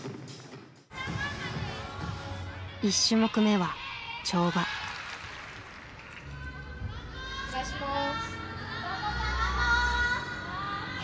１種目めはお願いします。